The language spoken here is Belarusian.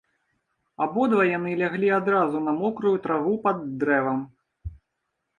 Абодва яны ляглі адразу на мокрую траву пад дрэвам.